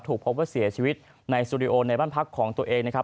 ถูกพบว่าเสียชีวิตในสตูดิโอในบ้านพักของตัวเองนะครับ